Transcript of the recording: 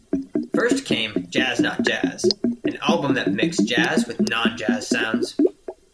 First came "JazzNotJazz", an album that mixed jazz with non-jazz sounds.